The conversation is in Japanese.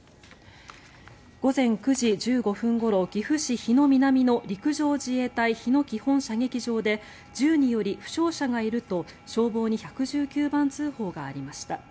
午前９時１５分ごろ岐阜市日野南の陸上自衛隊日野基本射撃場で銃により負傷者がいると消防に１１９番通報がありました。